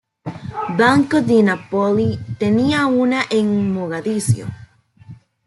Banco di Napoli tenía una en Mogadiscio.